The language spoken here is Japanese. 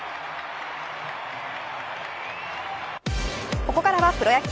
ここからはプロ野球。